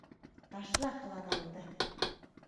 Ташла ҡыланыуыңды!